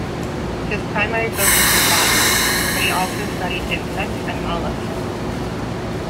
His primary focus was botany but he also studied insects and molluscs.